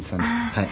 「はい。